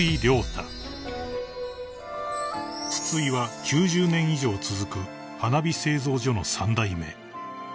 ［筒井は９０年以上続く花火製造所の三代目］